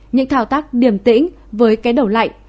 những thao tác điềm tĩnh với cái đầu lạnh